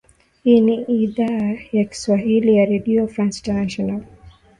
hii ni idhaa ya kiswahili ya redio france international